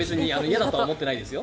嫌だとは思ってないですよ。